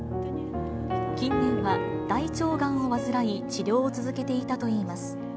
近年は大腸がんを患い、治療を続けていたといいます。